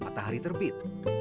dan matahari terbit